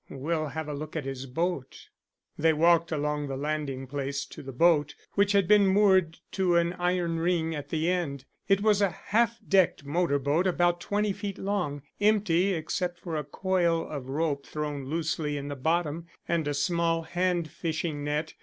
We'll have a look at his boat." They walked along the landing place to the boat, which had been moored to an iron ring at the end. It was a halfdecked motor boat about twenty feet long, empty except for a coil of rope thrown loosely in the bottom, and a small hand fishing net.